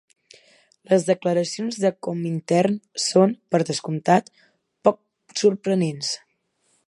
Les declaracions de Comintern són, per descomptat, poc sorprenents.